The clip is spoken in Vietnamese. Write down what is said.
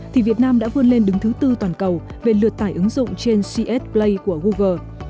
thì việt nam đã vươn lên đứng thứ tư toàn cầu về lượt tải ứng dụng trên cs play của google